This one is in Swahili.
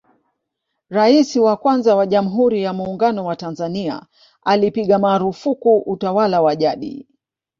Rais wa kwanza wa Jamhuri ya Muungano wa Tanzania alipiga maarufuku utawala wa jadi